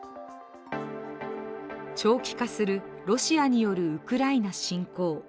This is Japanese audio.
長期化するロシアによるウクライナ侵攻。